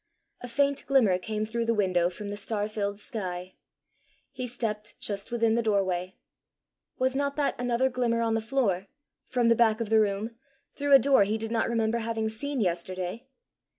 A faint glimmer came through the window from the star filled sky. He stepped just within the doorway. Was not that another glimmer on the floor from the back of the room through a door he did not remember having seen yesterday?